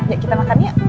ya kita makan yuk